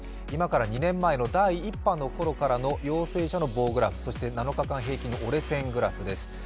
今から２年前の第１波のころからの陽性者の棒グラフ、そして７日間平均の折れ線グラフです。